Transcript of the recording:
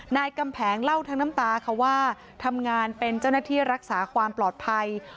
กำแพงเล่าทั้งน้ำตาค่ะว่าทำงานเป็นเจ้าหน้าที่รักษาความปลอดภัย